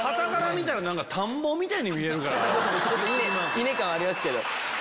稲感ありますけど。